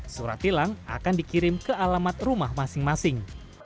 surat tilang akan dikirim ke alamat rumah masing masing